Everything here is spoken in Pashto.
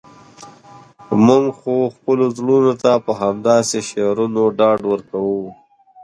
موږ خو خپلو زړونو ته په همداسې شعرونو ډاډ ورکوو.